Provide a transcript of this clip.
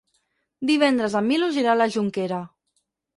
Divendres en Milos irà a la Jonquera.